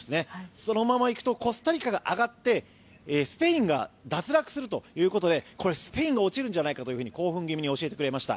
そのまま行くとコスタリカが上がってスペインが脱落するということでこれ、スペインが落ちるんじゃないかと興奮気味に教えてくれました。